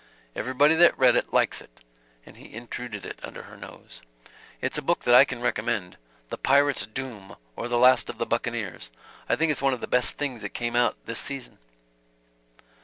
Everybody that's read it likes it" and he intruded it under her nose; "it's a book that I can recommend 'The Pirate's Doom, or the Last of the Buccaneers.' I think it's one of the best things that's come out this season."